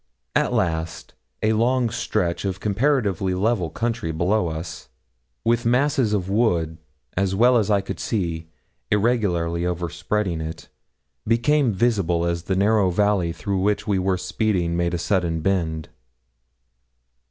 At last, a long stretch of comparatively level country below us, with masses of wood as well as I could see irregularly overspreading it, became visible as the narrow valley through which we were speeding made a sudden bend.